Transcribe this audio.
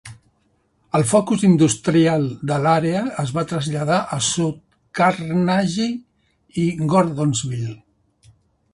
El focus industrial de l'àrea es va traslladar a South Carthage i Gordonsville.